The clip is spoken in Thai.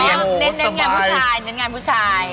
เน้นงานผู้ชาย